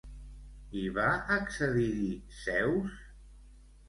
I va accedir-hi Zeus?